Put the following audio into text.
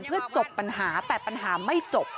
เพื่อจบปัญหาแต่ปัญหาไม่จบ